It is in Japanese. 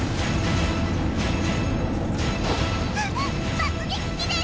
爆撃機です！